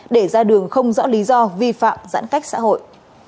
để ra đường không rõ lý do vi phạm giãn cách xã hội